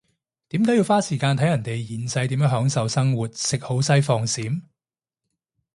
點解要花時間睇人哋現世點樣享受生活食好西放閃？